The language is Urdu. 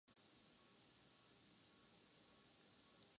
قضیہ یہ ہے کہ کون سر عام سوال اٹھانے کا مجاز ہے؟